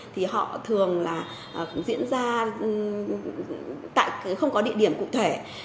thì họ thường là cũng diễn ra tại không có địa điểm cụ thể